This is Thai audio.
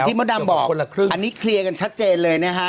ที่หมดดำบอกอันนี้เคลียร์กันชัดเจนเลยนะฮะ